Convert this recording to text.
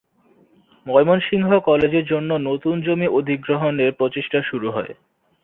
ময়মনসিংহ কলেজের জন্য নতুন জমি অধিগ্রহণের প্রচেষ্টা শুরু হয়।